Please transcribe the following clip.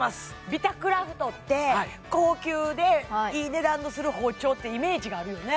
ビタクラフトって高級でいい値段のする包丁ってイメージがあるよね